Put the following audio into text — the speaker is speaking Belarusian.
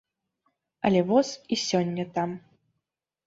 Але воз і сёння там.